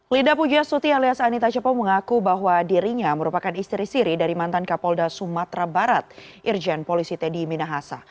linda pugiasuti alias anita jepo mengaku bahwa dirinya merupakan istri istri dari mantan kapolda sumatra barat irjen polisi teddy minahasa